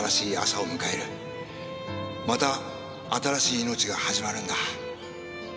また新しい命が始まるんだ。